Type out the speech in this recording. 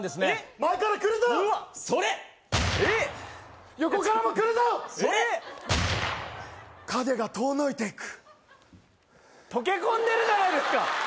前からくるぞそれっ横からもくるぞそれっ影が遠のいていく溶け込んでるじゃないですか